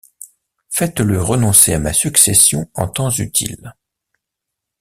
Fais-le renoncer à ma succession en temps utile.